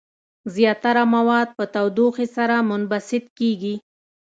زیاتره مواد په تودوخې سره منبسط کیږي.